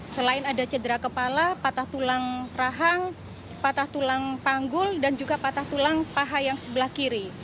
selain ada cedera kepala patah tulang rahang patah tulang panggul dan juga patah tulang paha yang sebelah kiri